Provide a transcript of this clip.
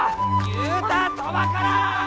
言うたそばから！